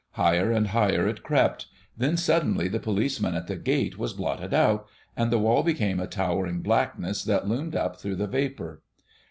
Higher and higher it crept; then suddenly the policeman at the gate was blotted out, and the wall became a towering blackness that loomed up through the vapour.